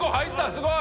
すごい！